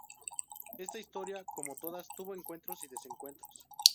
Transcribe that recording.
Esta historia como todas, tuvo encuentros y desencuentros.